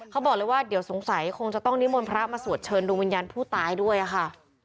เขาบอกเลยว่าเดี๋ยวสงสัยคงจะต้องนิมนต์พระมาสวดเชิญดวงวิญญาณผู้ตายด้วยค่ะ